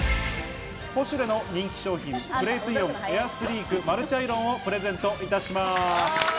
ポシュレの人気商品「クレイツイオンエアスリークマルチアイロン」をプレゼントいたします。